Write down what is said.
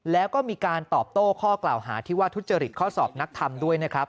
แล้วก็มีการตอบโต้ข้อกล่าวหาที่ว่าทุจริตข้อสอบนักธรรมด้วยนะครับ